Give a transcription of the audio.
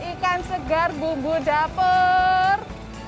ikan segar bumbu dapur